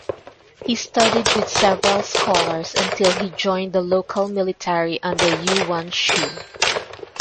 He studied with several scholars until he joined the local military under Yuan Shu.